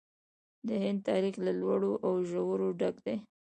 د هند تاریخ له لوړو او ژورو ډک دی.